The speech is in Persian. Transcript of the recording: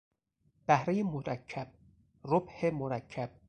بهرهی مرکب، ربح مرکب